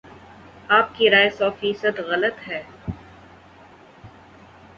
آپ کی رائے سو فیصد غلط ہے